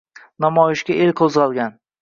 Namoyishga el qo’zg’algan